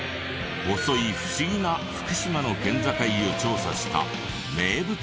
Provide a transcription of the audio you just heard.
細い不思議な福島の県境を調査した名物コンビ。